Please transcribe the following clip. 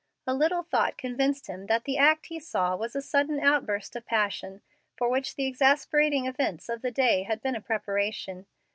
A little thought convinced him that the act he saw was a sudden outburst of passion for which the exasperating events of the day had been a preparation.